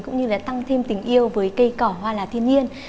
cũng như là tăng thêm tình yêu với cây cỏ hoa là thiên nhiên